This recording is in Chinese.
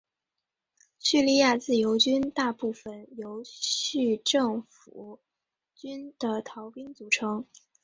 叙利亚自由军大部分由叙政府军的逃兵组成。